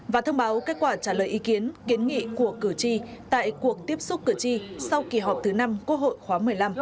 và thông báo kết quả trả lời ý kiến kiến nghị của cử tri tại cuộc tiếp xúc cử tri sau kỳ họp thứ năm quốc hội khóa một mươi năm